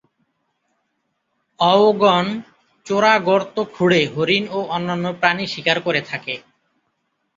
অওগণ চোরাগর্ত খুঁড়ে হরিণ ও অন্যান্য প্রাণী শিকার করে থাকে।